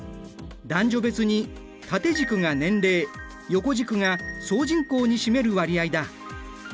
男女別に縦軸が年齢横軸が総人口に占める割合だ。